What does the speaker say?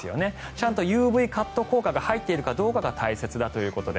ちゃんとＵＶカット効果が入っているかどうかが大切だということで。